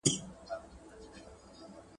• چي ډول دي وي په څنگ، د وهلو ئې څه ننگ.